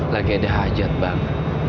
lagi ada hajat bang